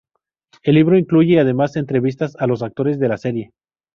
El libro incluye además entrevistas a los actores de la serie.